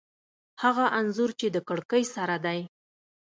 هغه انځور چې د کړکۍ سره دی